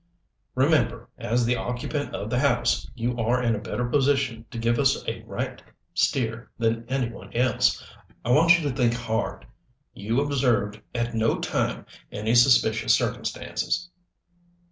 "Remember, as the occupant of the house, you are in a better position to give us a right steer than any one else. I want you to think hard. You observed, at no time, any suspicious circumstances?"